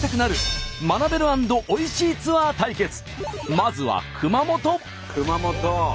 まずは熊本。